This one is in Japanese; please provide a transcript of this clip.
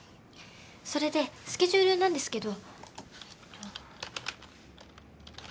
それでスケジュールなんですけど。